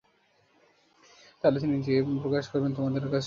তাহলেই তিনি নিজেকে প্রকাশ করবেন তোমাদের কাছে।